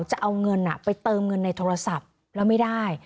จะเอาเงินไปเติมเงินในโทรศัพท์แล้วไม่ได้